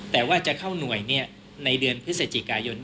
แต่ว่าจะเข้าหน่วยในเดือนพฤศจิกายน